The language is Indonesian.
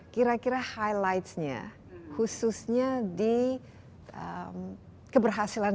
kira kira highlights nya khususnya di keberhasilan